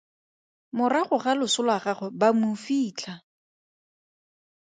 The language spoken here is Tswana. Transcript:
Morago ga loso lwa gagwe ba mo fitlha.